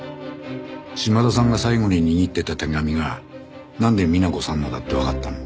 島田さんが最後に握ってた手紙がなんで美奈子さんのだってわかったの？